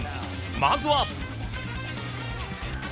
まずは。